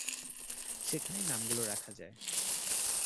সেখানেই নামগুলো রাখা হয়।